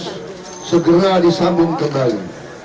harus segera disambung kembali